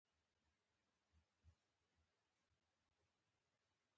نورو مخکې کېږي.